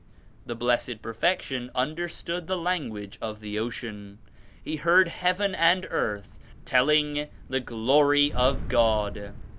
The Blessed Perfection understood the language of the ocean. He heard heaven and earth telling the Glory of God.